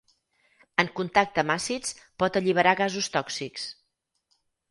En contacte amb àcids pot alliberar gasos tòxics.